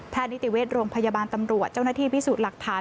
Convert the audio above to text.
นิติเวชโรงพยาบาลตำรวจเจ้าหน้าที่พิสูจน์หลักฐาน